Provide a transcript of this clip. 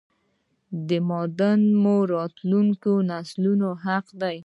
معادن مو راتلونکو نسلونو حق دی!!